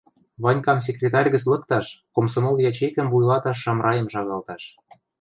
Ванькам секретарь гӹц лыкташ, комсомол ячейкӹм вуйлаташ Шамрайым шагалташ